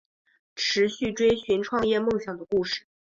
持续追寻创业梦想的故事